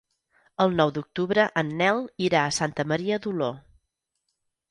El nou d'octubre en Nel irà a Santa Maria d'Oló.